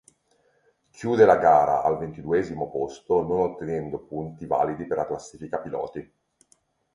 Chiude la gara al ventiduesimo posto non ottenendo punti validi per la classifica piloti.